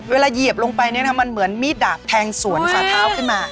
เหยียบลงไปมันเหมือนมีดดาบแทงสวนฝาเท้าขึ้นมา